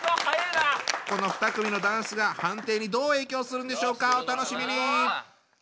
この２組のダンスが判定にどう影響するんでしょうかお楽しみに。